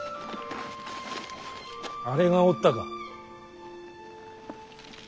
あれがおったか。